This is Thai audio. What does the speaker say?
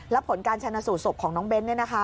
แล้วผลการชนสูตรศพของน้องเบ้นเนี่ยนะคะ